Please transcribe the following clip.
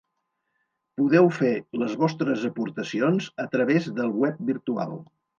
Podeu fer les vostres aportacions a través del web virtual.